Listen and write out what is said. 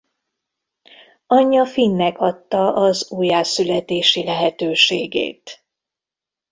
Anyja Finnek adta az újjászületési lehetőségét.